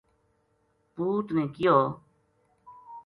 پوت نے کہیو